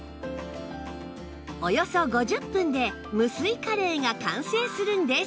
およそ５０分で無水カレーが完成するんです